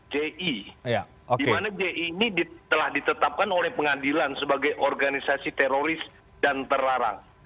di mana ji ini telah ditetapkan oleh pengadilan sebagai organisasi teroris dan terlarang